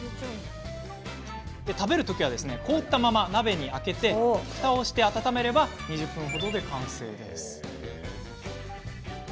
食べるときは凍ったまま鍋に開けふたをして温めれば２０分ほどで完成です。